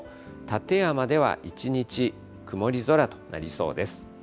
館山では一日、曇り空となりそうです。